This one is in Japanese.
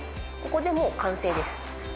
ここでもう完成です。